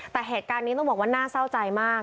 แต่เหตุการณ์นี้ต้องบอกว่าน่าเศร้าใจมาก